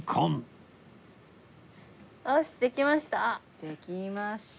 よしできました！